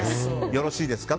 よろしいですか？